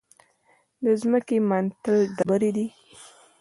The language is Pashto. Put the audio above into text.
د ځمکې منتل ډبرې دي.